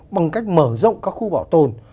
bằng cách mở rộng các khu bảo tồn